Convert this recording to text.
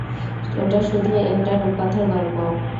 ওটা শুধু একটা রূপকথার গল্প।